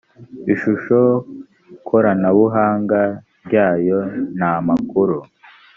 ishusho koranabuhanga ryayo n amakuru